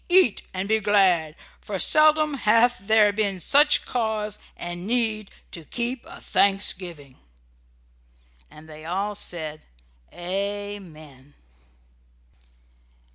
Eat and be glad, for seldom hath there been such cause and need to keep a Thanksgiving!" And they all said Amen!